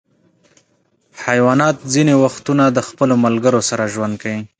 حیوانات ځینې وختونه د خپلو ملګرو سره ژوند کوي.